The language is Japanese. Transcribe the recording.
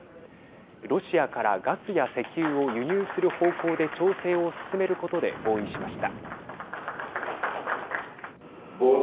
ロシアからガスや石油を輸入する方向で調整を進めることで合意しました。